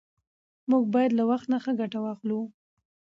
موږ باید له وخت نه ښه ګټه واخلو